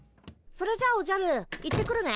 それじゃおじゃる行ってくるね。